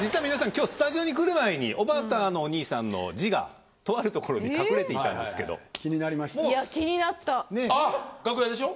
今日スタジオに来る前におばたのお兄さんの字がとある所に隠れていたんですけど気になりましたいや気になったあっ楽屋でしょ？